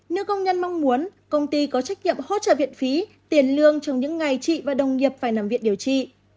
nữ công nhân mong muốn công ty có trách nhiệm hỗ trợ viện phí tiền lương trong những ngày chị và đồng nghiệp phải nằm viện điều trị